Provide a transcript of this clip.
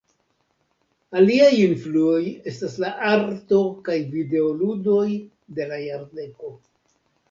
Aliaj influoj estas la arto kaj videoludoj de la jardeko.